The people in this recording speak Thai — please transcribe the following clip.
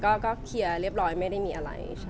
ก็เคลียร์เรียบร้อยไม่ได้มีอะไรค่ะ